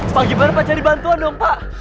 pak gimana pak cari bantuan dong pak